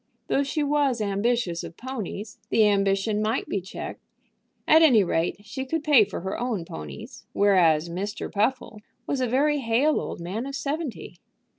Though she was ambitious of ponies, the ambition might be checked. At any rate, she could pay for her own ponies, whereas Mr. Puffle was a very hale old man of seventy.